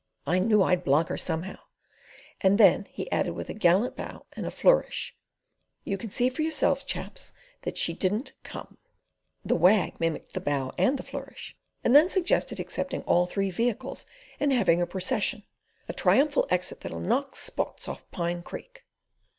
I knew I'd block her somehow," and then he added with a gallant bow and a flourish: "You can see for yourselves, chaps, that she didn't come." The Wag mimicked the bow and the flourish, and then suggested accepting all three vehicles and having a procession "a triumphal exit that'll knock spots off Pine Creek."